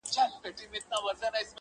د کيسې دردناک اثر لا هم ذهن کي پاتې-